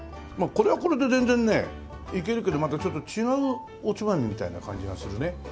これはこれで全然ねいけるけどまたちょっと違うおつまみみたいな感じがするね。